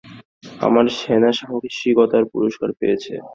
আমাদের সেনারা সাহসিকতার পুরষ্কার পেয়েছে।